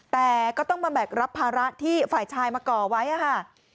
แต่ก็ต้องมาแบกรับภาระที่ฝ่ายชายมาก่อไว้ค่ะ